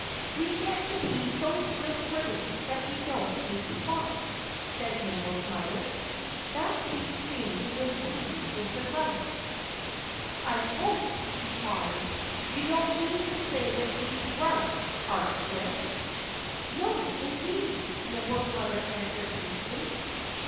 "We get to be so swift footed that we don't need spots," said Nimble's mother. That speech seemed to displease Mr. Grouse. "I hope," he cried, "you don't mean to say that we Grouse aren't swift!" "No, indeed!" Nimble's mother answered hastily.